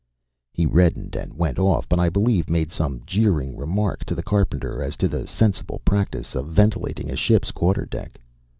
He reddened and went off, but I believe made some jeering remark to the carpenter as to the sensible practice of ventilating a ship's quarter deck.